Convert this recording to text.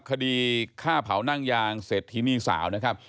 คดีฆ่าเผานั่งยางเศรษฐินีสาวนะครับ